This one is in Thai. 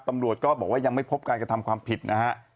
ตำรวจก็บอกว่ายังไม่พบการกระทำความผิดนะฮะ